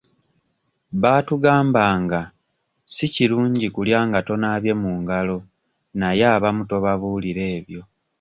Baatugambanga si kirungi kulya nga tonaabye mu ngalo naye abamu tobabuulira ebyo.